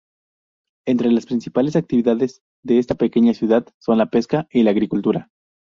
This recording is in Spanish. Entre las principales actividades de esta pequeña ciudad son la pesca y la agricultura.